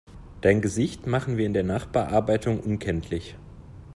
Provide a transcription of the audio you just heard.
Dein Gesicht machen wir in der Nachbearbeitung unkenntlich.